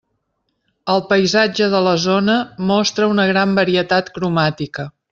El paisatge de la zona mostra una gran varietat cromàtica.